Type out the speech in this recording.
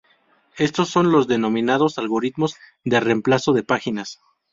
Estos son los denominados algoritmos de reemplazo de páginas.